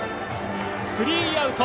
スリーアウト。